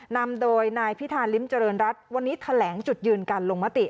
นำโดยนายพิธาริมเจริญรัฐวันนี้แถลงจุดยืนการลงมติ